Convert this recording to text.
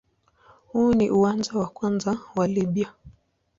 Huu ni uwanja wa kwanza wa Libya.